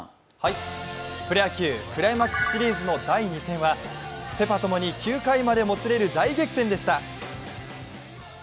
プロ野球、クライマックスシリーズの第２戦は、セ・パともに９回までもつれる大激戦でした。